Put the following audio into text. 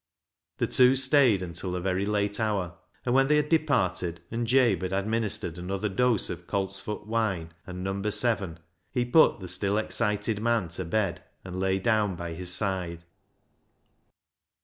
The two stayed until a very late hour, and when they had departed, and Jabe had administered another dose of coltsfoot wine and " Number Seven," he put the still excited man to bed, and lay down by his side.